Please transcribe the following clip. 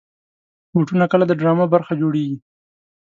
بوټونه کله د ډرامو برخه جوړېږي.